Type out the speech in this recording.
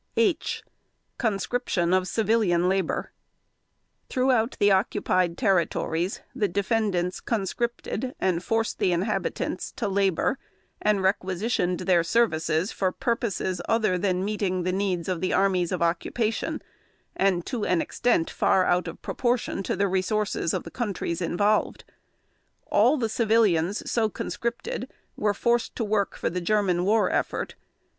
(H) CONSCRIPTION OF CIVILIAN LABOR Throughout the occupied territories the defendants conscripted and forced the inhabitants to labor and requisitioned their services for purposes other than meeting the needs of the armies of occupation and to an extent far out of proportion to the resources of the countries involved. All the civilians so conscripted were forced to work for the German war effort.